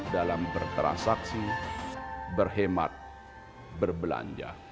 dalam bertransaksi berhemat berbelanja dan berpengaruh